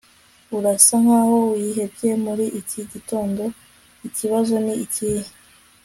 urasa nkaho wihebye muri iki gitondo ikibazo ni ikihe